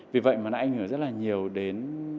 vì vậy mà nó ảnh hưởng rất là nhiều đến